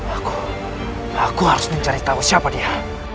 aku aku harus mencari tahu siapa dia